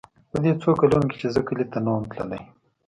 په دې څو کلونو چې زه کلي ته نه وم تللى.